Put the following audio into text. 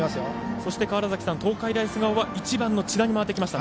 そして東海大菅生は１番の千田に回ってきました。